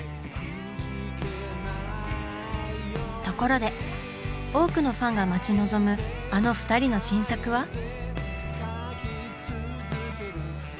ところで多くのファンが待ち望むあの２人の新作は？